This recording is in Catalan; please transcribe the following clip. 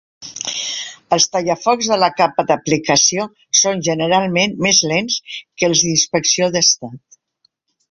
Els tallafocs de la capa d'aplicació són generalment més lents que els d'inspecció d'estat.